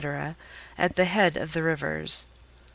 at the head of the rivers.